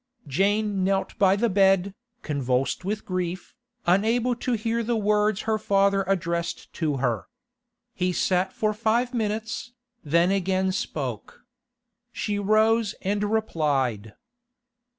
Jane knelt by the bed, convulsed with grief, unable to hear the words her father addressed to her. He sat for five minutes, then again spoke. She rose and replied.